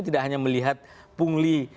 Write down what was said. tidak hanya melihat pungli